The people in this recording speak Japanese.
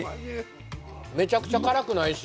めちゃくちゃ辛くないし